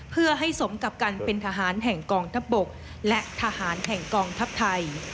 เพื่อให้สมกับการเป็นทหารแห่งกองทัพบกและทหารแห่งกองทัพไทย